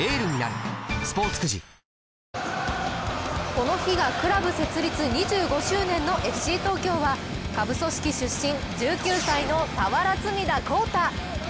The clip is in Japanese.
この日がクラブ設立２５周年のＦＣ東京は下部組織出身、１９歳の俵積田晃太。